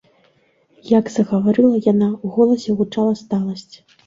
Як загаварыла яна, у голасе гучала сталасць.